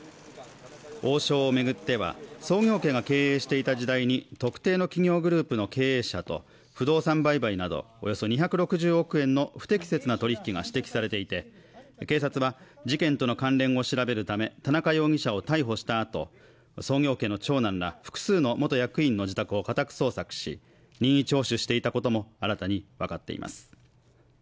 王将をめぐっては創業家が経営していた時代に特定の企業グループの経営者と不動産売買などおよそ２６０億円の不適切な取引が指摘されていて警察は事件との関連を調べるため田中容疑者を逮捕したあと創業家の長男ら複数の元役員の自宅を家宅捜索し任意聴取していたことも新たにわかっています